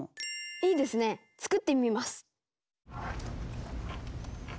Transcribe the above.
いいですね作ってみます。